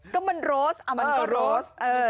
ก็มันโรสมันก็โรส